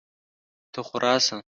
ته خو راسه!